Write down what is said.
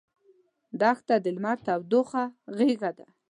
دښته د لمر توده غېږه ده.